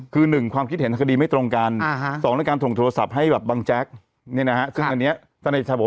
คือหนึ่งความคิดเห็นธนาคดีไม่ตรงกัน